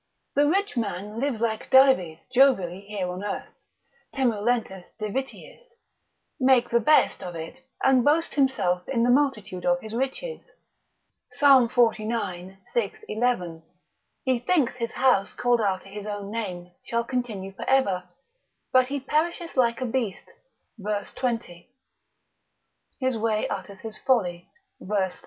The rich man lives like Dives jovially here on earth, temulentus divitiis, make the best of it; and boasts himself in the multitude of his riches, Psalm xlix. 6. 11. he thinks his house called after his own name, shall continue for ever; but he perisheth like a beast, verse 20. his way utters his folly, verse 13.